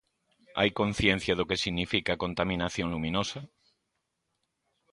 Hai conciencia do que significa a contaminación luminosa?